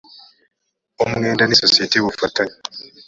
umwenda n isosiyete y ubufatanye